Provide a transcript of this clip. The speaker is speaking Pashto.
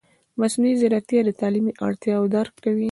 مصنوعي ځیرکتیا د تعلیمي اړتیاوو درک کوي.